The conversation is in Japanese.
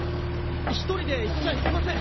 １人で行っちゃいけません。